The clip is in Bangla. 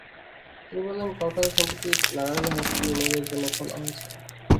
তিনি বললেন, কলকাতায় সম্প্রতি নারায়ণী হাই স্কুল মেয়েদের জন্যে খোলা হয়েছে।